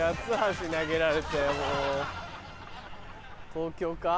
東京か？